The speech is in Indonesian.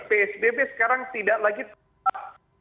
psbb sekarang tidak lagi tetap